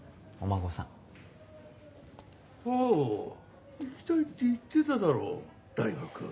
真緒行きたいって言ってただろ大学。